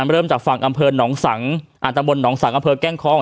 เริ่มจากฝั่งอันตรรบลน้องสังศ์อันตรรบลหนองสังศ์อันตรรบลแก้งคคของ